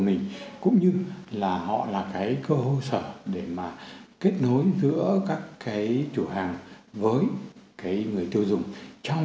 mình cũng như là họ là cái cơ hội sở để mà kết nối giữa các cái chủ hàng với cái người tiêu dùng trong